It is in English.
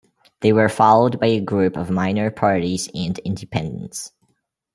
They were followed by a group of minor parties and independents.